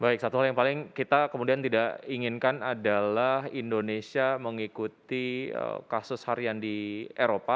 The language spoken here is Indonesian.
baik satu hal yang paling kita kemudian tidak inginkan adalah indonesia mengikuti kasus harian di eropa